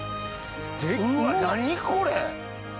何これ？